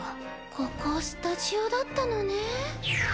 ここスタジオだったのね。